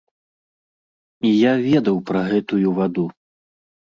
І я ведаў пра гэтую ваду.